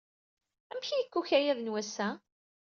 Amek ay yekka ukayad n wass-a?